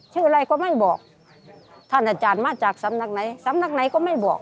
ชื่ออะไรก็ไม่บอกท่านอาจารย์มาจากสำนักไหนสำนักไหนก็ไม่บอก